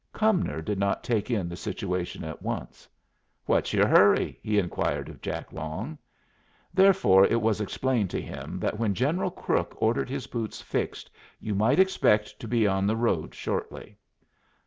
Cumnor did not take in the situation at once. "What's your hurry?" he inquired of Jack Long. Therefore it was explained to him that when General Crook ordered his boots fixed you might expect to be on the road shortly.